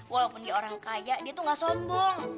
walaupun dia orang kaya dia tuh gak sombong